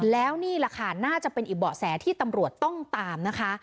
แล้วนี่แหละค่ะน่าจะเป็นอีกเบาะแสที่ตำรวจต้องตามนะคะ